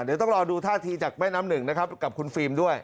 เดี๋ยวต้องรอดูท่าทีจากแม่น้ำหนึ่งนะครับกับคุณฟิล์มด้วย